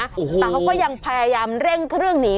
แต่เขาก็ยังพยายามเร่งเครื่องหนี